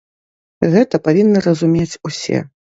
Гэта павінны разумець усе.